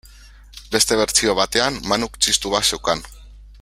Beste bertsio batean, Manuk txistu bat zeukan.